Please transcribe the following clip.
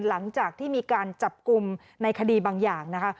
หลังจากที่มีการจับกลุ่มในคดีบางอย่างนะคะ